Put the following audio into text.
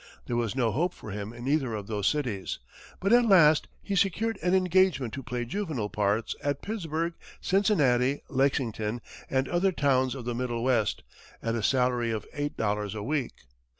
There was no hope for him in either of those cities; but at last he secured an engagement to play juvenile parts at Pittsburgh, Cincinnati, Lexington, and other towns of the middle west, at a salary of eight dollars a week.